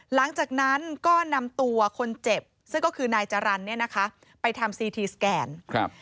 หลังจากนั้นก็นำตัวคนเจ็บซึ่งก็คือนายจรรย์เนี่ยนะคะไปทำซีทีสแกนครับ